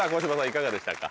いかがでしたか？